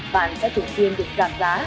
bạn sẽ thường xuyên được giảm giá